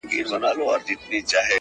اوس يې نه راوړي رويبار د ديدن زېرئ٫